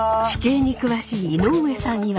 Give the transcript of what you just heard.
地形に詳しい井上さん